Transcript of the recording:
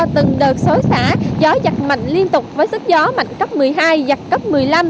từng đợt xối xã gió giặt mạnh liên tục với sức gió mạnh cấp một mươi hai giặt cấp một mươi năm